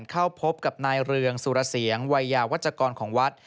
เข้าพบกับนายเรืองสุรเสียงวัยยาวัชกรของวัด